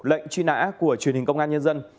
lệnh truy nã của truyền hình công an nhân dân